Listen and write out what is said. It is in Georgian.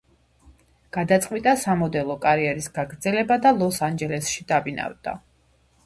გადაწყვიტა სამოდელო კარიერის გაგრძელება და ლოს-ანჯელესში დაბინავდა.